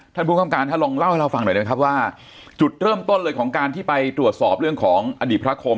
ท่านผู้คำการท่านลองเล่าให้เราฟังหน่อยได้ไหมครับว่าจุดเริ่มต้นเลยของการที่ไปตรวจสอบเรื่องของอดีตพระคม